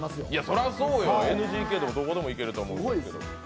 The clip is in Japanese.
それはそうよ、ＮＧＫでもどこでもいけると思いますけど。